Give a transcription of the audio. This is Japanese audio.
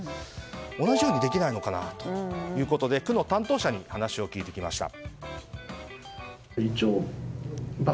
同じようにできないのかということで区の担当者に話を聞いてきました。